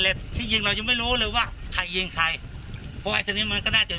เราก็กลัวจะมีเรื่องเพราะลูกชายเราก็ใจร้อนเราก็รู้อยู่